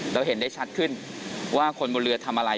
เราเห็นได้ชัดขึ้นว่าคนบนเรือทำอะไร